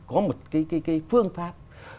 có một cái phương pháp